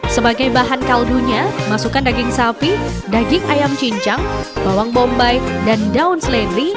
sebagai bahan kaldunya masukkan daging sapi daging ayam cincang bawang bombay dan daun seledri